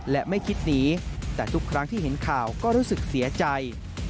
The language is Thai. และไม่คิดหนีแต่ทุกครั้งที่เห็นข่าวก็รู้สึกเสียใจ